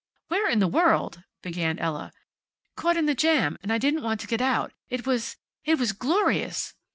"Where in the world " began Ella. "Caught in the jam. And I didn't want to get out. It was it was glorious!"